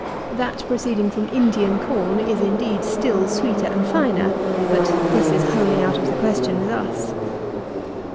That proceeding from Indian corn is, indeed, still sweeter and finer; but this is wholly out of the question with us.